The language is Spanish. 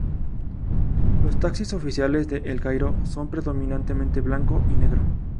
Los taxis oficiales de El Cairo son predominantemente blanco y negro.